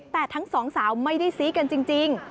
แต่ทั้งสองสาวไม่ได้ซี้กันจริง